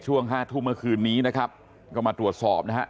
ห้าทุ่มเมื่อคืนนี้นะครับก็มาตรวจสอบนะฮะ